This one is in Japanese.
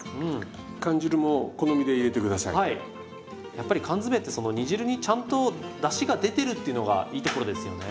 やっぱり缶詰ってその煮汁にちゃんとだしが出てるっていうのがいいところですよね。